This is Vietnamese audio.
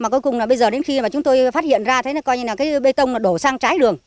cuối cùng bây giờ đến khi chúng tôi phát hiện ra coi như bê tông đổ sang trái đường